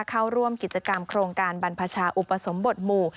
เข้าร่วมกิจกรรมโครงการบรรพชาอุปสมบทหมู่